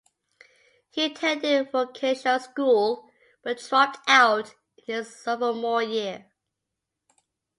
He attended a vocational school, but dropped out in his sophomore year.